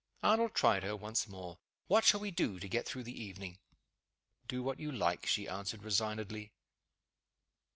Arnold tried her once more. "What shall we do to get through the evening?" "Do what you like," she answered, resignedly.